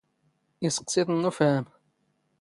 ⵉⵙⵇⵙⵉⵜⵏ ⵏ ⵓⴼⵀⴰⵎ